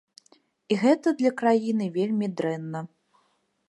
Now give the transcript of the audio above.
І гэта для краіны вельмі дрэнна.